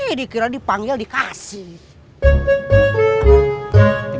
eh dikira dipanggil dikasih